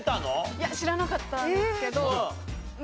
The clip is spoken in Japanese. いや知らなかったんですけどま